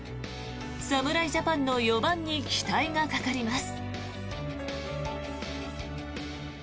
侍ジャパンの４番に期待がかかります。